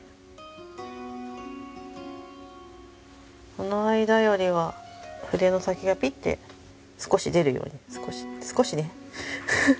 この間よりは筆の先がピッて少し出るように少しねフフ。